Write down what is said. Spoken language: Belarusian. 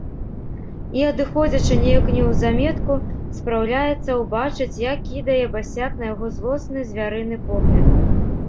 І, адыходзячы, неяк неўзаметку спраўляецца ўбачыць, як кідае басяк на яго злосны звярыны погляд.